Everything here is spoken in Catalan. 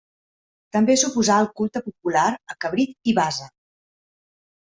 També s'oposà al culte popular a Cabrit i Bassa.